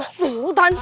kenapa jadi sultan